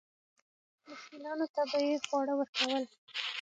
مسکینانو ته به یې خواړه ورکول.